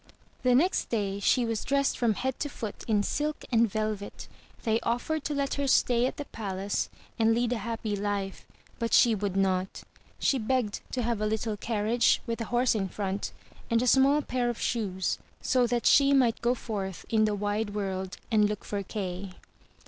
The next day she was dressed from head to foot in silk and velvet. They offered to let her stay at the palace, and lead a happy life; but she would not. She begged to have a little carriage with a horse in front, and a small pair of shoes, so that she might go forth in the wide world and look for Kay.